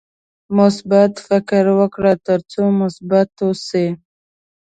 مثبت فکر وکړه ترڅو مثبت اوسې.